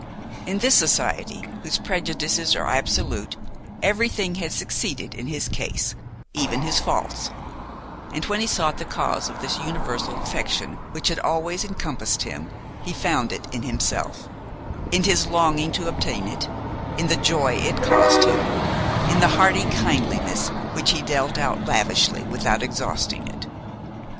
In this society, whose prejudices are absolute, everything had succeeded in his case, even his faults; and when he sought the cause of this universal affection which had always encompassed him, he found it in himself, in his longing to obtain it, in the joy it caused him, in the hearty kindliness which he dealt out lavishly without exhausting it.